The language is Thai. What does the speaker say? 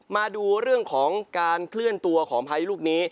มาดูเรื่องของการเคลื่อนตัวของพายุลูกนี้